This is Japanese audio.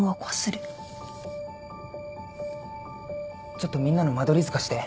ちょっとみんなの間取り図貸して。